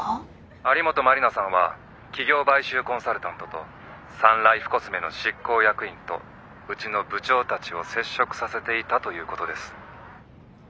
有本マリナさんは企業買収コンサルタントとサンライフコスメの執行役員とうちの部長たちを接触させていたということです。